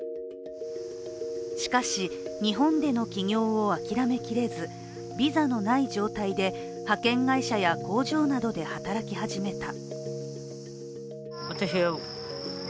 しかし、日本での起業を諦めきれず、ビザのない状態で派遣会社や工場などで働き始めた。